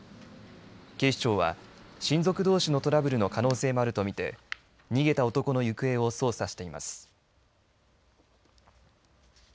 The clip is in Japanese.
警視庁は親族どうしのトラブルの可能性もあると見て逃げた男の行方を捜査しています。